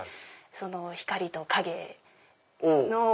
光と影の。